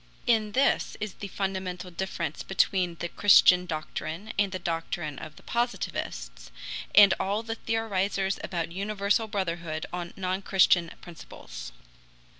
In this is the fundamental difference between the Christian doctrine and the doctrine of the Positivists, and all the theorizers about universal brotherhood on non Christian principles.